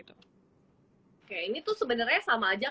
oke ini tuh sebenarnya sama aja